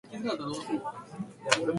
ルイボスティー